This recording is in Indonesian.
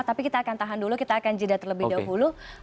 tapi kita akan tahan dulu kita akan jeda terlebih dahulu